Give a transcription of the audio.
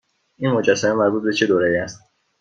این مجسمه مربوط به چه دوره ای است؟